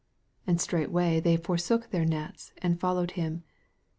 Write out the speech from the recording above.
18 And straightway they forsook their nets, and followed him.